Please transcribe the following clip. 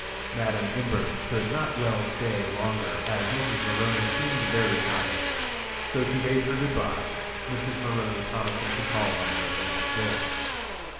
Madam Imbert could not well stay longer as Mrs. Maroney seemed very tired. So she bade her good bye, Mrs. Maroney promising to call on her the next day.